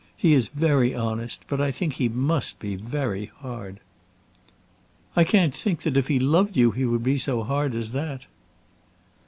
He is very honest, but I think he must be very hard." "I can't think that if he loved you he would be so hard as that."